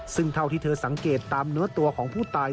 ซึ่งเท่าที่เธอสังเกตตามเนื้อตัวของผู้ตาย